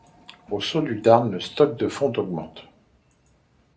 Au Saut du Tarn, le stock de fonte augmente.